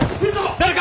誰か！